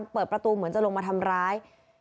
เปิดประตูเหมือนจะลงมาทำร้าย